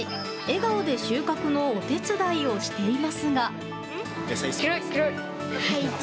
笑顔で収穫のお手伝いをしていますが。